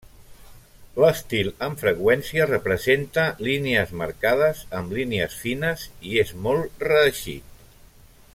L'estil, amb freqüència, representa línies marcades amb línies fines, i és molt reeixit.